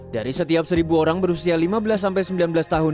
dari setiap seribu orang berusia lima belas sampai sembilan belas tahun